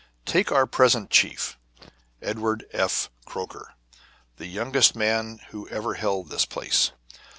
Take our present chief, Edward F. Croker, the youngest man who ever held this place.